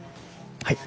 はい。